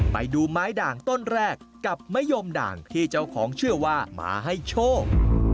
ไปดูไม้ด่างต้นแรกกับมะยมด่างที่เจ้าของเชื่อว่ามาให้โชค